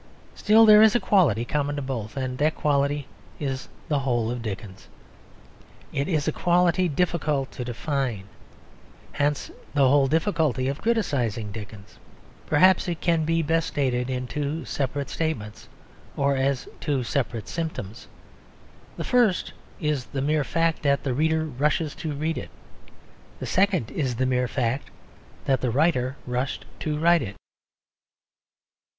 Still, there is a quality common to both, and that quality is the whole of Dickens. It is a quality difficult to define hence the whole difficulty of criticising Dickens. Perhaps it can be best stated in two separate statements or as two separate symptoms. The first is the mere fact that the reader rushes to read it. The second is the mere fact that the writer rushed to write it.